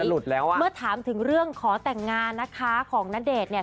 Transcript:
หลุดแล้วอ่ะเมื่อถามถึงเรื่องขอแต่งงานนะคะของณเดชน์เนี่ย